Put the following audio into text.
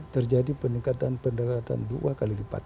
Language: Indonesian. terjadi peningkatan pendekatan dua kali lipat